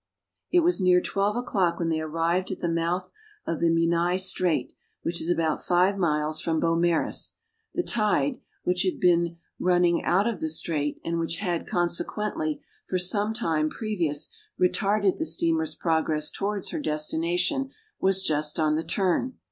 It was near twelve o'clock when they arrived at the mouth of the Menai Strait, which is about five miles from Beaumaris. The tide, which had been running out of the strait, and which had, consequently, for some time previous retarded the steamer's progress towards her destination, was just on the turn.